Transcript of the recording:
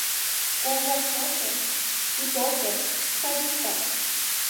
Коҥгаш олто, ит олто — садиктак...